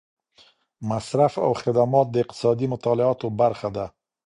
مصرف او خدمات د اقتصادي مطالعاتو برخه ده.